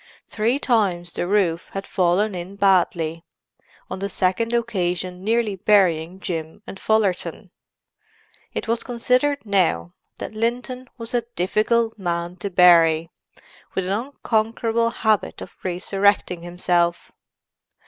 Three times the roof had fallen in badly, on the second occasion nearly burying Jim and Fullerton; it was considered, now, that Linton was a difficult man to bury, with an unconquerable habit of resurrecting himself.